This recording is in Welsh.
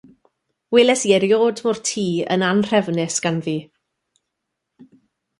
Welais i erioed mo'r tŷ yn anhrefnus ganddi.